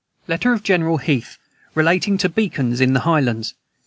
Letter of General Heath relating to beacons in the highlands.